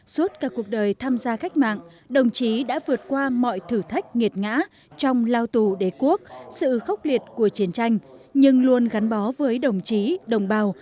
suốt cả cuộc đời tham gia cách mạng đồng chí đã vượt qua mọi thử thách nghiệt ngã trong lao tù đế quốc sự khốc liệt của chiến tranh nhưng luôn gắn bó với đồng chí đồng bào